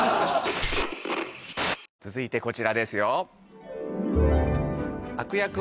続いてこちらですよ